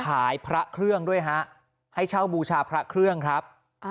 พระเครื่องด้วยฮะให้เช่าบูชาพระเครื่องครับ